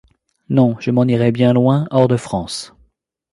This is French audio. Non : je m’en irai bien loin, hors de France.